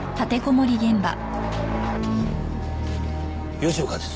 吉岡です。